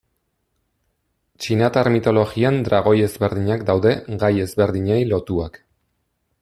Txinatar mitologian dragoi ezberdinak daude gai ezberdinei lotuak.